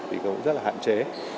thì cũng rất là hạn chế